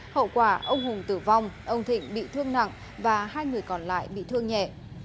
hậu quả ông hùng tử vong ông thịnh bị thương nặng và hai người còn lại bị thương nhẹ